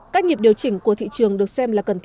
các nhiệm điều chỉnh của thị trường được xem là cần